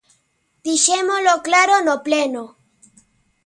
Dixémolo claro no Pleno.